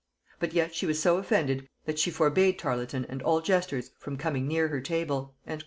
But yet she was so offended that she forbad Tarleton and all jesters from coming near her table."